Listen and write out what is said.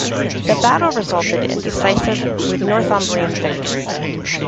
The battle resulted in a decisive Northumbrian victory.